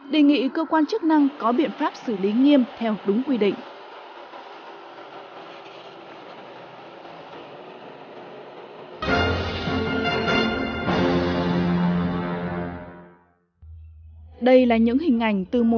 đề nghị cơ quan chức năng có biện pháp xử lý nghiêm theo đúng quy định